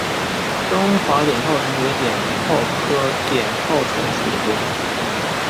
中华碘泡虫为碘泡科碘泡虫属的动物。